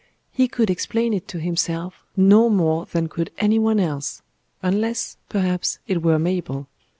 He could explain it to himself no more than could any one else unless, perhaps, it were Mabel.